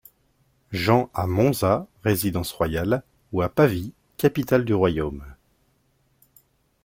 Jean à Monza, résidence royale, ou à Pavie, capitale du royaume.